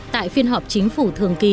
tại phiên họp chính phủ thường kỳ